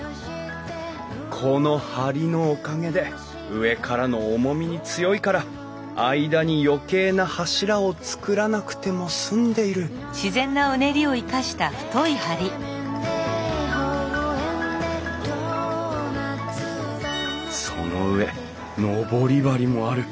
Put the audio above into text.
この梁のおかげで上からの重みに強いから間に余計な柱を作らなくても済んでいるその上登り梁もある。